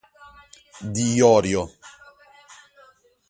Di Iorio